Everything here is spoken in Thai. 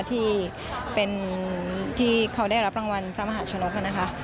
ที่เขาได้รับรางวัลพระมหาชนกนะคะ